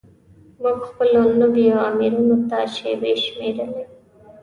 موږ خپلو نویو آمرینو ته شیبې شمیرلې.